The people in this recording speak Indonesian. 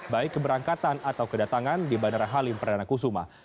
baik keberangkatan atau kedatangan di bandara halim perdana kusuma